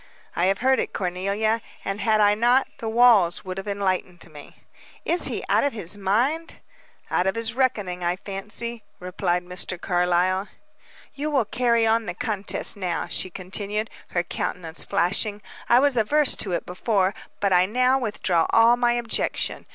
"I have heard it, Cornelia, and, had I not, the walls would have enlightened me." "Is he out of his mind?" "Out of his reckoning, I fancy," replied Mr. Carlyle. "You will carry on the contest now," she continued, her countenance flashing. "I was averse to it before, but I now withdraw all my objection.